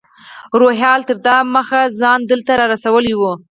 روهیال تر ما دمخه ځان دلته رارسولی و.